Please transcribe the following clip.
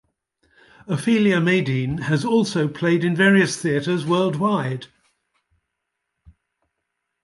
Ofelia Madine has also played in various theatres worldwide.